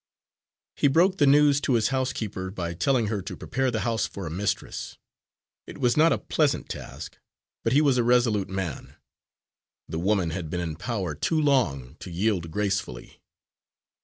He broke the news to his housekeeper by telling her to prepare the house for a mistress. It was not a pleasant task, but he was a resolute man. The woman had been in power too long to yield gracefully.